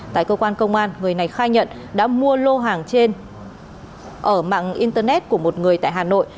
tại cơ quan công an người này khai nhận đã mua lô hàng trên ở mạng internet của một người tại hà nội